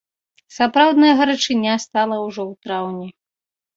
Сапраўдная гарачыня стала ўжо ў траўні.